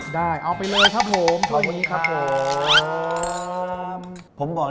ได้เอาไปเลยครับผมถ้วยนี้ครับผมขอบคุณครับ